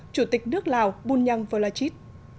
chủ tịch nước lào bunyang volachit